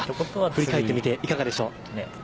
振り返ってみていかがでしょう？